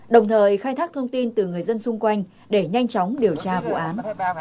đồng thời khai thác thông tin từ người dân xung quanh để nhanh chóng điều tra vụ án